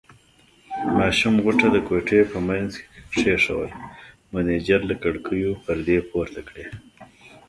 ماشوم غوټه د کوټې په منځ کې کېښوول، مېنېجر له کړکیو پردې پورته کړې.